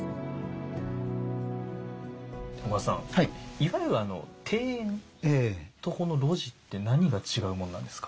いわゆる庭園とこの露地って何が違うものなんですか？